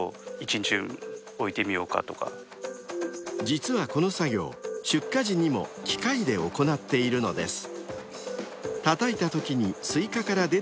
［実はこの作業出荷時にも機械で行っているのです］